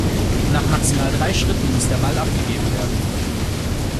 Nach maximal drei Schritten muss der Ball abgegeben werden.